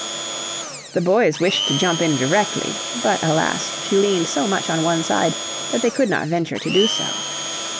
The boys wished to jump in directly; but, alas, she leaned so much on one side that they could not venture to do so.